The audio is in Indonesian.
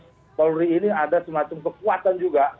tapi kepolisian ini ada semacam kekuatan juga